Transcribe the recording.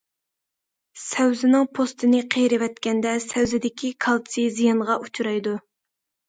سەۋزىنىڭ پوستىنى قىرىۋەتكەندە، سەۋزىدىكى كالتسىي زىيانغا ئۇچرايدۇ.